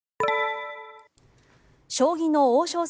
将棋の王将戦